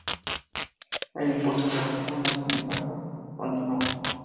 El impulso de la reforma, sin embargo, continuó.